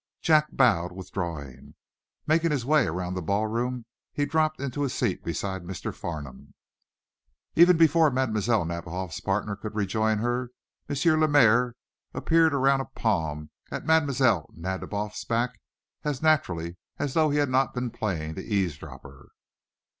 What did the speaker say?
Jack bowed, withdrawing. Making his way around the ballroom, he dropped into a seat beside Mr. Farnum. Even before Mlle. Nadiboff's partner could rejoin her, M. Lemaire appeared around a palm at Mlle. Nadiboff's back as naturally as though he had not been playing the eavesdropper.